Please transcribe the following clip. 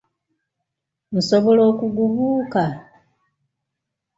Nsobola okugubuuka!